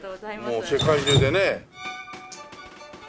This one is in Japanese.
もう世界中でね。